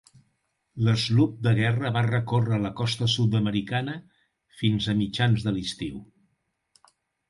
L'sloop de guerra va recórrer la costa sud-americana fins a mitjans de l'estiu.